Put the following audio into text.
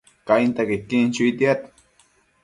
Cainta quequin chuitiad